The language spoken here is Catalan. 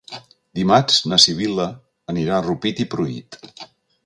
Dimarts na Sibil·la anirà a Rupit i Pruit.